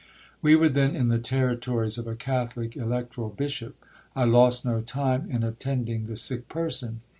We were then in the territories of a Catholic electoral bishop. I lost no time in attending the sick person.